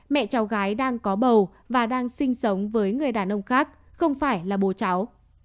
mẹ cháu gái đang có bầu và đang sinh sống với người đàn ông khác không phải là bố cháu